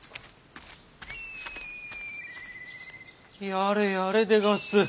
やれやれでがす。